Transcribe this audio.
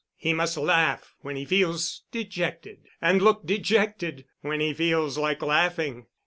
He must laugh when he feels dejected and look dejected when he feels like laughing.